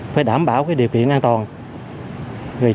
phải đảm bảo điều kiện an toàn